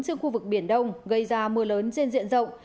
trên khu vực biển đông gây ra mưa lớn trên diện rộng